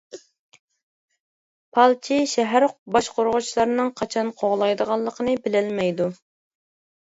پالچى شەھەر باشقۇرغۇچىلارنىڭ قاچان قوغلايدىغانلىقىنى بىلەلمەيدۇ.